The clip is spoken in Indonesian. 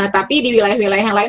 tapi di wilayah wilayah yang lain